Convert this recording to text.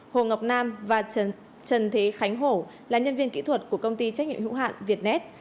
hồ ngọc nam và trần thế khánh hổ là nhân viên kỹ thuật của công ty trách nhiệm hữu hạn việt net